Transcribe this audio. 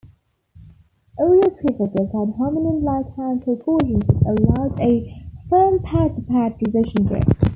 "Oreopithecus" had hominin-like hand proportions that allowed a firm, pad-to-pad precision grip.